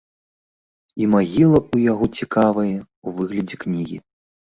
І магіла ў яго цікавая, у выглядзе кнігі.